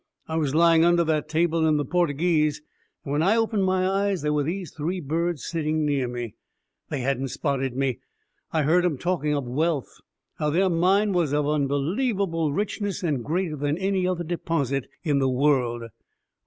I was lying under that table in the Portuguee's, and when I opened my eyes, there were these three birds sitting near me. They hadn't spotted me. I heard 'em talking of wealth, how their mine was of unbelievable richness and greater than any other deposit in the world.